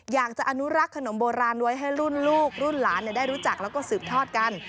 อยากจะอนุรักษ์ขนมโบราณไว้ให้รุ่นลูกรุ่นหลานได้รู้จักแล้วก็สืบทอดกัน